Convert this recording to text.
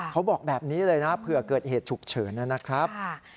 เขาบอกแบบนี้เลยนะเผื่อเกิดเหตุฉุกเฉินนะครับ